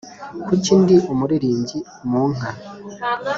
kuki ndi umuririmbyi mu nka